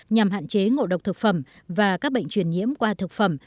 nhằm hạn chế ngộ độc thực phẩm và các bệnh truyền nhiễm qua thực phẩm